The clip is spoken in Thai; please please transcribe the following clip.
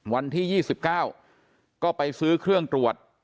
วันที่๒๙ก็ไปซื้อเครื่องตรวจ